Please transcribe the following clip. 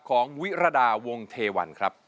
ของวิรดาวงเทวันครับ